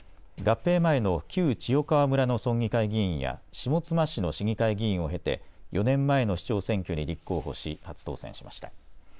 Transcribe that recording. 合併前の旧千代川村の村議会議員や下妻市の市議会議員を経て４年前の市長選挙に立候補し初当選しました。